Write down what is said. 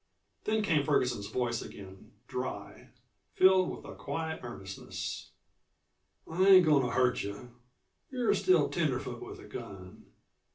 Then came Ferguson's voice again, dry, filled with a quiet earnestness: "I ain't goin' to hurt you you're still tenderfoot with a gun.